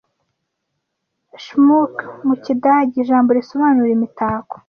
Schmuck mu kidage ijambo risobanura Imitako